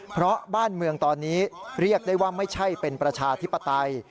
เพราะบ้านเมืองตอนนี้เรียกได้ว่าไม่ใช่เป็นประชาธิปไตย